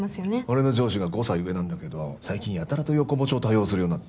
俺の上司が５歳上なんだけど最近やたらと横文字を多用するようになって。